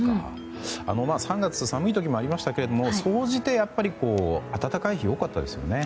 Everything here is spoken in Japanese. ３月は寒い時もありましたが、総じて暖かい日が多かったですよね。